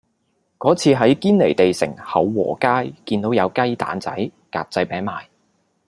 嗰次喺堅尼地城厚和街見到有雞蛋仔格仔餅賣